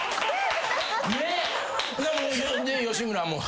吉村も。